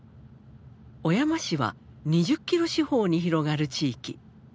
小山市は２０ｋｍ四方に広がる地域。